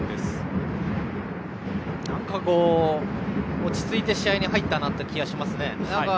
落ち着いて試合に入ったなという気がしますよね。